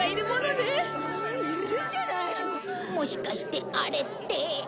もしかしてあれって。